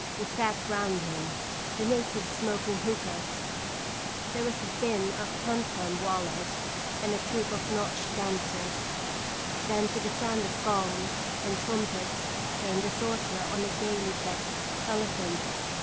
We sat round him, the natives smoking hookahs. There was a din of tumtum wallahs, and a troop of nautch dancers. Then, to the sound of gongs and trumpets, came the sorcerer on a gayly decked elephant.